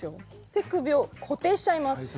手首を固定しちゃいます。